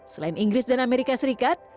selain inggris dan amerika serikat